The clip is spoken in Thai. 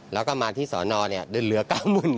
แล้วก็มาที่สอนอดมันเดินเหลือ๙๑๐๐๐บาท